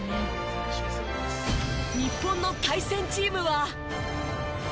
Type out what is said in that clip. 日本の対戦チームは。